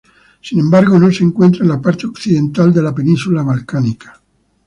Sin embargo, no se la encuentra en la parte occidental de la Península balcánica.